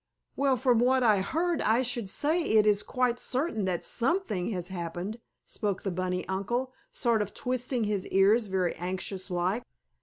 "Well, from what I heard I should say it is quite certain that SOMETHING has happened," spoke the bunny uncle, sort of twisting his ears very anxious like.